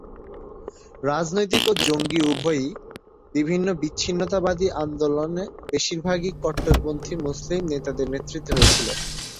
রাজনৈতিক ও জঙ্গি উভয়ই বিভিন্ন বিচ্ছিন্নতাবাদী আন্দোলন বেশিরভাগই কট্টরপন্থী মুসলিম নেতাদের নেতৃত্বে হয়েছিল।